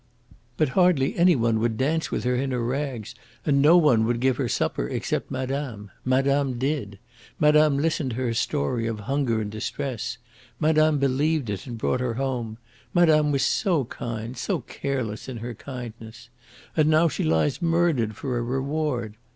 "But hardly any one would dance with her in her rags, and no one would give her supper except madame. Madame did. Madame listened to her story of hunger and distress. Madame believed it, and brought her home. Madame was so kind, so careless in her kindness. And now she lies murdered for a reward!"